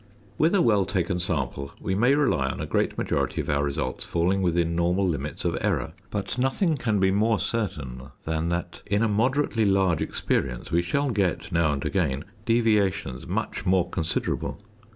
With a well taken sample, we may rely on a great majority of our results falling within normal limits of error; but nothing can be more certain than that, in a moderately large experience we shall get, now and again, deviations much more considerable.